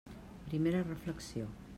Primera reflexió.